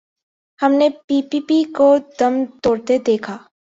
ہم نے P P P کو دم توڑتے دیکھا۔